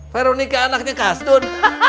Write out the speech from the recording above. veronica anaknya kastun